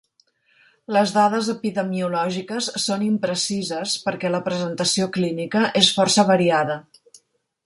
Les dades epidemiològiques són imprecises perquè la presentació clínica és força variada.